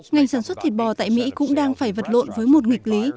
ngành sản xuất thịt bò tại mỹ cũng đang phải vật lộn với một nghịch lý